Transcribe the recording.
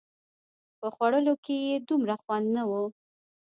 په خوړلو کښې يې دومره خوند نه و.